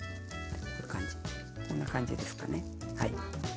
こんな感じですかね。